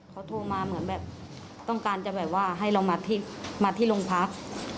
เขาโทรมาเหมือนแบบต้องการให้เรามาที่โรงพักษณ์